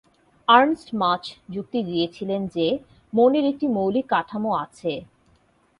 Ernst Mach যুক্তি দিয়েছিলেন যে মনের একটি মৌলিক কাঠামো আছে।